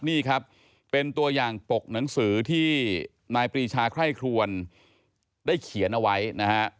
นี่ครับเป็นตัวอย่างปกหนังสือที่นายปรีชาไคร่ครวนได้เขียนเอาไว้นะฮะ